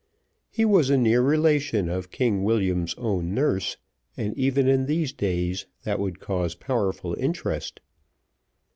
He was a near relation of King William's own nurse, and even in these days, that would cause powerful interest.